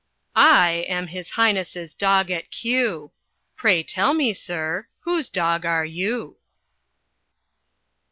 I am His Highness' dog at Kew; Pray tell me, sir, whose dog are you?